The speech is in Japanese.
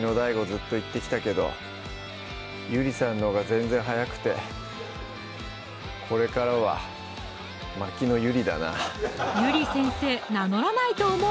ずっと言ってきたけどゆりさんのほうが全然早くてこれからはゆり先生名乗らないと思う！